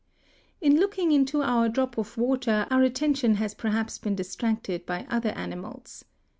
] In looking into our drop of water our attention has perhaps been distracted by other animals.